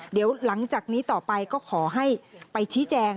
เดี๋ยวหลังจากนี้ต่อไปก็ขอให้ไปชี้แจง